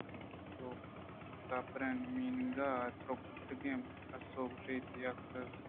کاپر ءِ مِنگ ءَ درٛتکگیں پسءِگوشت کیا دزّیتاں؟